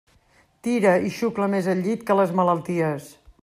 Tira i xucla més el llit que les malalties.